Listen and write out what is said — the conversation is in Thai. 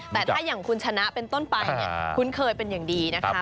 แต่ถ้าอย่างคุณชนะเป็นต้นไปเนี่ยคุ้นเคยเป็นอย่างดีนะคะ